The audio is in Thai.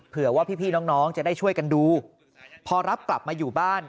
ว่าพี่น้องจะได้ช่วยกันดูพอรับกลับมาอยู่บ้าน